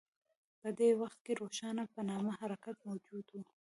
په دې وخت کې روښان په نامه حرکت موجود و.